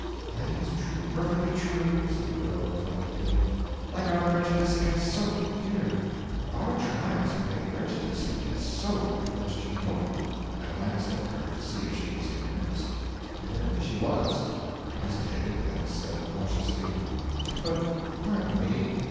'That is true perfectly true,' said the girl, reflectively. 'Like our prejudice against soap, here our tribes had a prejudice against soap at first, you know.' I glanced at her to see if she was in earnest. Evidently she was. I hesitated, then said, cautiously: 'But pardon me.